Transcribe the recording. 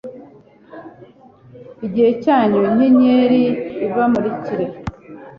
igihe cyanyu inyenyeri ibamurikire